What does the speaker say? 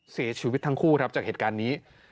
เสียชีวิตทั้งคู่ครับจากเหตุการณ์นี้